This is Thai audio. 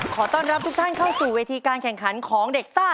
ขอต้อนรับทุกท่านเข้าสู่เวทีการแข่งขันของเด็กซ่า